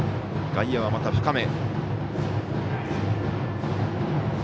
外野は、また深め。